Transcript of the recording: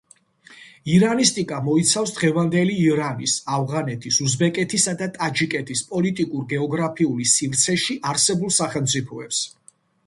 ირანისტიკა მოიცავს დღევანდელი ირანის, ავღანეთის, უზბეკეთისა და ტაჯიკეთის პოლიტიკურ–გეოგრაფიული სივრცეში არსებულ სახელმწიფოებს.